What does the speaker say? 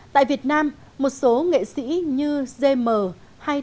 tại việt nam một số nghệ sĩ như j m hay t h cũng bước đầu khiến người hâm mộ thân mộ